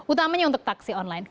utamanya untuk taksi online